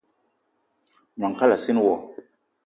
Gnong kalassina wo.